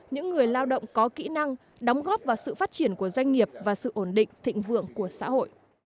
những người lao động có kỹ năng đóng góp vào sự phát triển của doanh nghiệp và sự ổn định thịnh vượng của xã hội